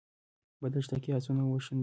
په دښته کې آسونه وشڼېدل.